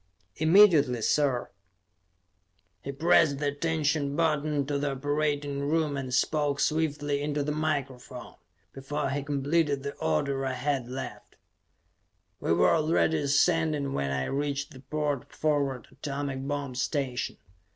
"Immediately, sir!" He pressed the attention button to the operating room and spoke swiftly into the microphone; before he completed the order I had left. We were already ascending when I reached the port forward atomic bomb station.